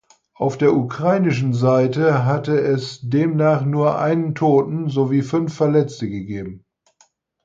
Auf der ukrainischen Seite hatte es demnach nur einen Toten sowie fünf Verletzte gegeben.